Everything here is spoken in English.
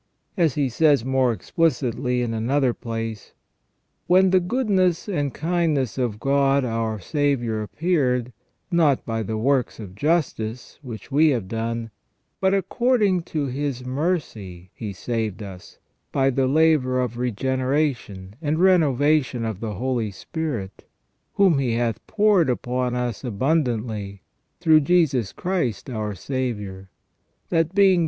As he says more explicitly in another place :" When the goodness and kindness of God our Saviour appeared, not by the works of justice, which we have done, but according to His mercy He saved us, by the laver of regene ration and renovation of the Holy Ghost, whom He hath poured upon us abundantly, through Jesus Christ our Saviour: that being 348 THE REGENERATION OF MAN.